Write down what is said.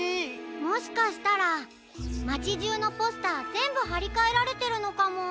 もしかしたらまちじゅうのポスターぜんぶはりかえられてるのかも。